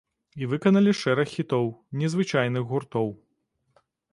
І выканалі шэраг хітоў незвычайных гуртоў.